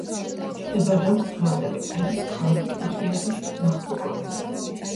მდებარეობს დღევანდელი პერუს ქალაქ ტრუხილიოს მახლობლად.